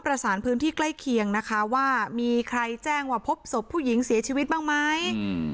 ประสานพื้นที่ใกล้เคียงนะคะว่ามีใครแจ้งว่าพบศพผู้หญิงเสียชีวิตบ้างไหมอืม